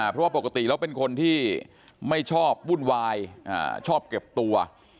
เพราะว่าปกติแล้วเป็นคนที่ไม่ชอบวุ่นวายชอบเก็บตัว